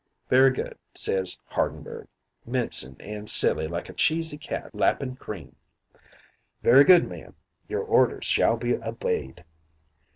"'Very good,' says Hardenberg, mincing an' silly like a chessy cat lappin' cream. 'Very good, ma'am; your orders shall be obeyed.'